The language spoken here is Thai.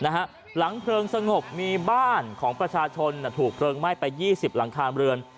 หลังเพลิงสงบมีบ้านของประชาชนถูกเพลิงไหม้ไป๒๐หลังคาเรือน